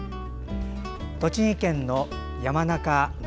栃木県の山中式